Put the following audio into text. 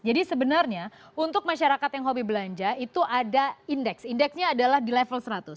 jadi sebenarnya untuk masyarakat yang hobi belanja itu ada indeks indeksnya adalah di level seratus